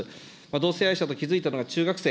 同性愛者と気付いたのが中学生。